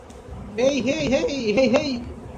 Hey, hey, hey, hey, hey.